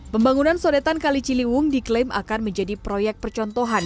pembangunan sodetan kaliciliwung diklaim akan menjadi proyek percontohan